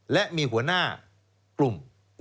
และมีหัวหน้ากลุ่ม